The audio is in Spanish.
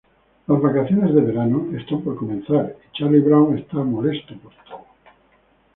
Las vacaciones de verano están por comenzar, y Charlie Brown está molesto por todo.